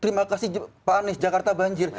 terima kasih pak anies jakarta banjir